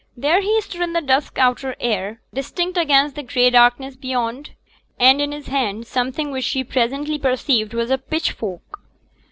There he stood in the dusk outer air, distinct against the gray darkness beyond, and in his hand something which she presently perceived was a pitchfork.